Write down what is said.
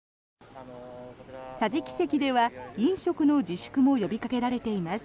桟敷席では飲食の自粛も呼びかけられています。